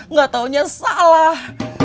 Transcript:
nggak tahunya salah